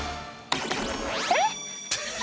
えっ？